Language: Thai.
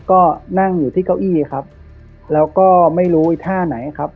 ก็นั่งอยู่ที่เก้าอี้ครับแล้วก็ไม่รู้อีกท่าไหนครับ